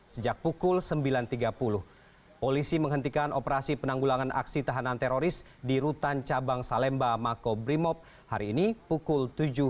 sejak pukul sembilan tiga puluh polisi menghentikan operasi penanggulangan aksi tahanan teroris di rutan cabang salemba makobrimob hari ini pukul tujuh belas